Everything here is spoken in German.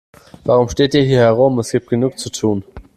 Warum steht ihr hier herum, es gibt genug zu tun.